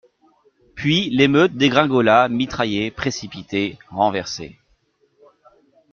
Et puis l'émeute dégringola mitraillée, précipitée, renversée.